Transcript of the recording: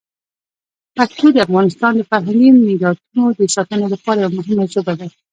پښتو د افغانستان د فرهنګي میراتونو د ساتنې لپاره یوه مهمه ژبه ده.